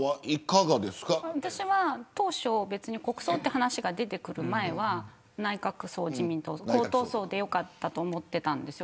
私は当初、国葬という話が出てくる前は内閣・自民党合同葬でよかったと思ってたんです。